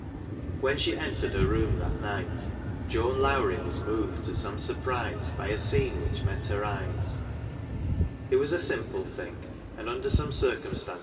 When she entered her room that night, Joan Lowrie was moved to some surprise by a scene which met her eyes, [t was a simple thing and under some eircumstance?